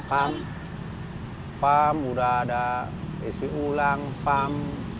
pam pam udah ada isi ulang pam